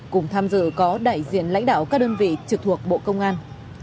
cùng tham dự có đại diện lãnh đạo các đơn vị trực thuộc bộ công an